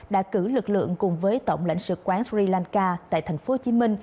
đã cử lực lượng cùng với tổng lãnh sự quán sri lanka tại tp hcm